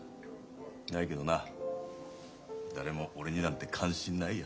ないけどな誰も俺になんて関心ないよ。